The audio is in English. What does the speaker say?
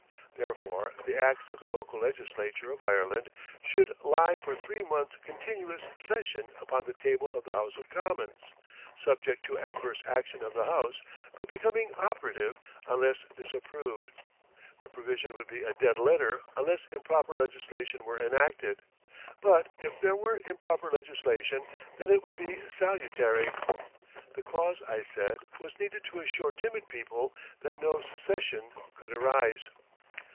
Therefore, the acts of the local legislature of Ireland should lie for three months' continuous session upon the table of the House of Commons, subject to adverse action of the House, but becoming operative unless disapproved. The provision would be a dead letter unless improper legislation were enacted, but if there were improper legislation, then it would be salutary. The clause, I said, was needed to assure timid people that no secession could arise.